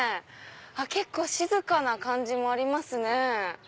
結構静かな感じもありますね。